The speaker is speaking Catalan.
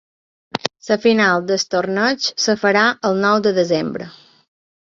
La final del torneig es farà el nou de desembre.